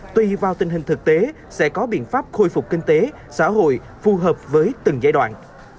tùy vào tình hình thực tế sẽ có biện pháp khôi phục kinh tế xã hội phù hợp với từng giai đoạn